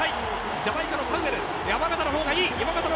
ジャマイカのパウエル山縣のほうがいい。